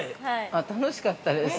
◆楽しかったです。